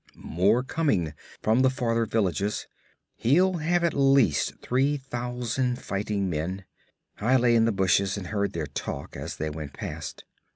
More coming, from the farther villages. He'll have at least three thousand fighting men. I lay in the bushes and heard their talk as they went past.